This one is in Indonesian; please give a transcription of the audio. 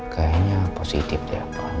kayaknya positif ya pak al